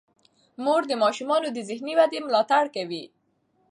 مور د ماشومانو د ذهني ودې ملاتړ کوي.